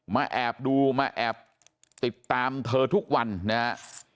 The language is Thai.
แอบดูมาแอบติดตามเธอทุกวันนะฮะ